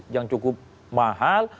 yang cukup mahal